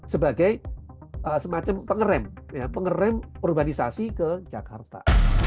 sebagai semacam pengerem pengerem urbanisasi ke jakarta